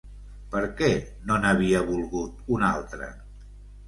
Per què no n'havia volgut un altre?